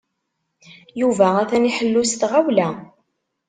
Yuba atan iḥellu s tɣawla.